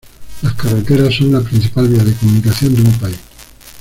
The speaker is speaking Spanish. Las carreteras son la principal vía de comunicación de un país.